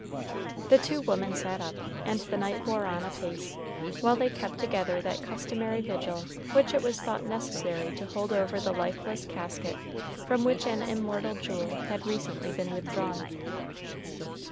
The two women sat up, and the night wore on apace, while they kept together that customary vigil which it was thought necessary to hold over the lifeless casket from which an immortal jewel had recently been withdrawn.